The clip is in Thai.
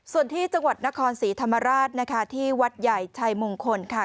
ส่วนที่จังหวัดนครศรีธรรมราชนะคะที่วัดใหญ่ชัยมงคลค่ะ